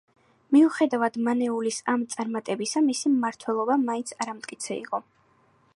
მიუხედავად მანუელის ამ წარმატებისა, მისი მმართველობა მაინც არამტკიცე იყო.